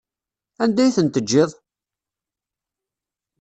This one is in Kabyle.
Anda ay ten-tejjiḍ?